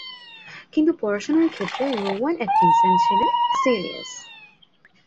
কিন্তু পড়াশোনার ক্ষেত্রে রোয়ান অ্যাটকিনসন ছিলেন সিরিয়াস।